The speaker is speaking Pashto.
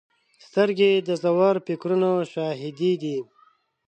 سترګې د ژور فکرونو شاهدې دي